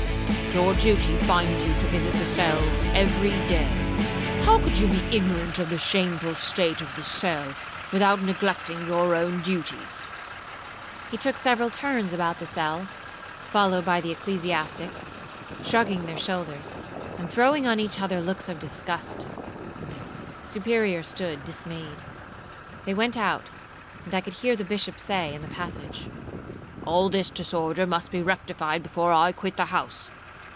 Your duty binds you to visit the cells every day; how could you be ignorant of the shameful state of this cell, without neglecting your own duties?' He took several turns about the cell, followed by the ecclesiastics, shrugging their shoulders, and throwing on each other looks of disgust. The Superior stood dismayed. They went out, and I could hear the Bishop say, in the passage, 'All this disorder must be rectified before I quit the house.'